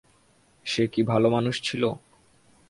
সে কি ভালো মানুষ ছিল?